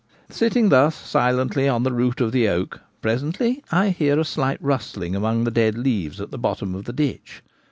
Sitting thus silently on the root of the oak, pre sently I hear a slight rustling among the dead leaves at the bottom of the ditch.